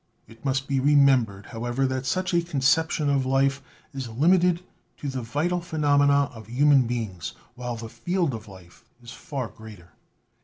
It must be remembered, however, that such a concep tion of life is limited to the vital phenomena of human beings, while the field of life is far greater.